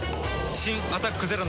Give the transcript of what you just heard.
新「アタックＺＥＲＯ」